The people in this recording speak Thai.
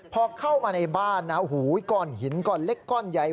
พอเข้ามาในบ้านก้อนหินก็เล็กก้อนใหญ่